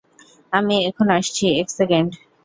আমি এখনি আসছি, এক সেকেন্ড?